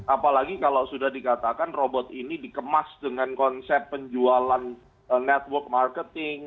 apalagi kalau sudah dikatakan robot ini dikemas dengan konsep penjualan network marketing